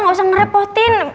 enggak usah ngerepotin